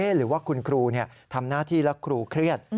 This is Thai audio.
หรือว่าคุณครูทำหน้าที่แล้วครูเครียด